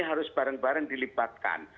harus bareng bareng dilibatkan